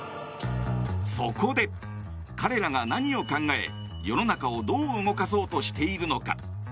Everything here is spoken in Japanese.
そこで、彼らが何を考え世の中をどう動かそうとしているのか。